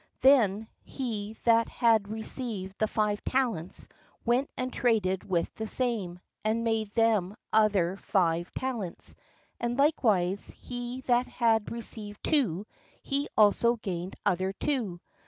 Then he that had re ceived the five talents went and traded with the same, and made them other five i I talents. And likewise he that had received two, he also gained other two.